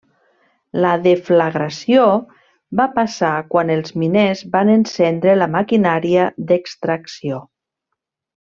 La deflagració va passar quan els miners van encendre la maquinària d'extracció.